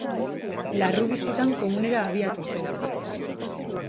Larru bizitan komunera abiatu zen.